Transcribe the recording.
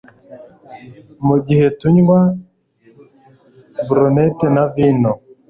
Mugihe tunywa brunette na vino